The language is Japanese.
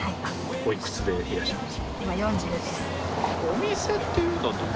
おいくつでいらっしゃいますか？